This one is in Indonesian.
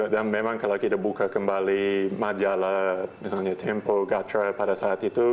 dan memang kalau kita buka kembali majalah misalnya tempo gatra pada saat itu